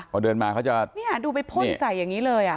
พอเดินมาเขาจะดูไปพ่นใส่อย่างนี้เลย